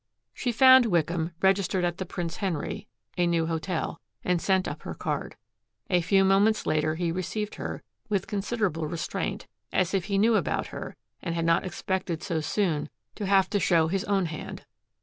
She found Wickham registered at the Prince Henry, a new hotel and sent up her card. A few moments later he received her, with considerable restraint as if he knew about her and had not expected so soon to have to show his own hand.